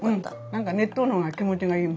何か熱湯のが気持ちがいい。